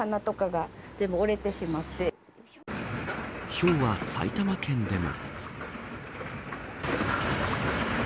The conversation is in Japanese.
ひょうは埼玉県でも。